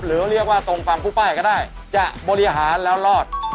หรือเรียกว่าทรงฟังผู้ป้ายก็ได้จะบริหารแล้วรอด